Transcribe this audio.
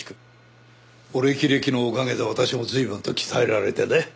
お歴々のおかげで私も随分と鍛えられてね。